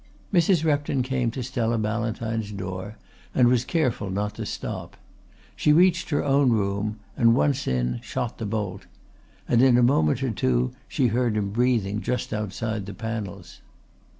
Mrs. Repton came to Stella Ballantyne's door and was careful not to stop. She reached her own room, and once in shot the bolt; and in a moment or two she heard him breathing just outside the panels.